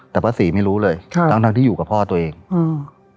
แต่พ่อศรีไม่รู้เลยค่ะทั้งทั้งที่อยู่กับพ่อตัวเองอืม